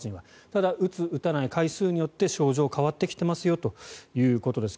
ただ、打つ打たない回数によって症状が変わってきていますよということです。